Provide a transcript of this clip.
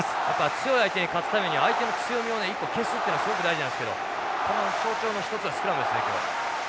強い相手に勝つためには相手の強みをね一個消すというのがすごく大事なんですけどその象徴の一つがスクラムですね今日。